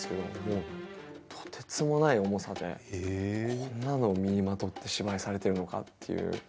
こんなの身にまとって芝居をされているのかっていう。